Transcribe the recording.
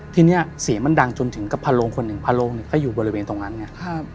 ทีเนี้ยเสียงมันดังจนถึงกับพารวงคนหนึ่งพารวงเนี่ยเค้าอยู่บริเวณตรงนั้นเนี่ยค่ะ